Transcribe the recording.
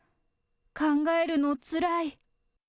考えるのつらい。